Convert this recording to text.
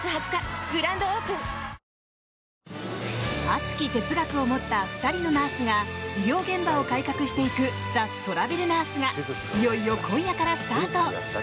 熱き哲学を持った２人のナースが医療現場を改革していく「ザ・トラベルナース」がいよいよ今夜からスタート！